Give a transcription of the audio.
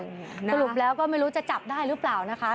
สรุปแล้วก็ไม่รู้จะจับได้หรือเปล่านะคะ